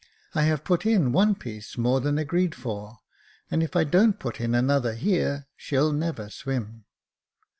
I have put in one piece more than agreed for ; and if I don't put in another here, she'll never swim."